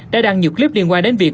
đã đăng nhiều clip liên quan đến việc